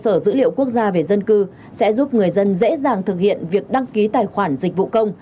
cơ sở dữ liệu quốc gia về dân cư sẽ giúp người dân dễ dàng thực hiện việc đăng ký tài khoản dịch vụ công